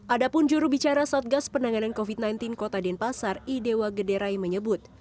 ada pun jurubicara satgas penanganan covid sembilan belas kota denpasar idewa gederai menyebut